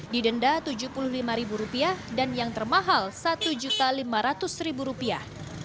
didenda tujuh puluh lima rupiah dan yang termahal satu lima ratus rupiah